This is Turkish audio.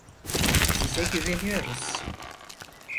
Size güveniyoruz.